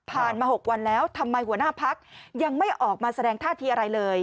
มา๖วันแล้วทำไมหัวหน้าพักยังไม่ออกมาแสดงท่าทีอะไรเลย